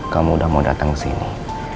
kamu udah mau datang kesini